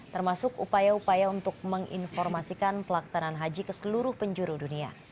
termasuk upaya upaya untuk menginformasikan pelaksanaan haji ke seluruh penjuru dunia